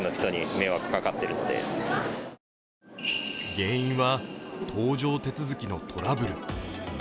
原因は搭乗手続きのトラブル。